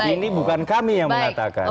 ini bukan kami yang mengatakan